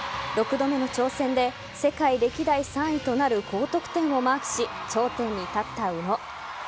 ６度目の挑戦で世界歴代３位となる高得点をマークし頂点に立った宇野。